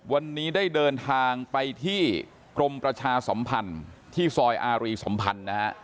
วันนี้ได้เดินทางไปที่กรมประชาสัมพันธ์ที่ซอยอารีสัมพันธ์นะฮะ